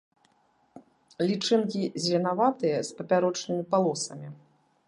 Лічынкі зеленаватыя, з папярочнымі палосамі.